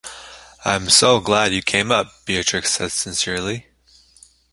“I’m so glad you came up,” Beatrix said sincerely.